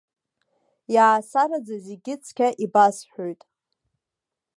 Иаасараӡа зегьы цқьа ибасҳәоит.